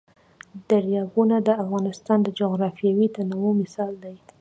دریابونه د افغانستان د جغرافیوي تنوع مثال دی.